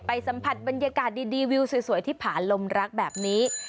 สัมผัสบรรยากาศดีวิวสวยที่ผาลมรักแบบนี้